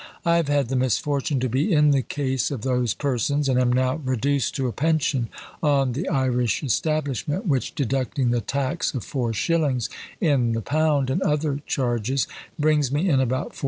I have had the misfortune to be in the case of those persons, and am now reduced to a pension on the Irish establishment, which, deducting the tax of four shillings in the pound, and other charges, brings me in about 40_l.